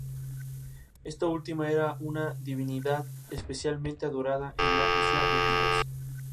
Adicionalmente se llevan a cabo cumbres franco-alemanas de sus respectivos consejos de Ministros.